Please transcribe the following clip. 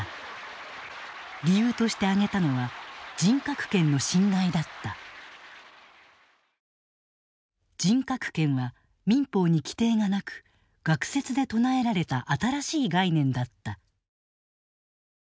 理由として挙げたのは人格権は民法に規定がなく学説で唱えられた新しい概念だった。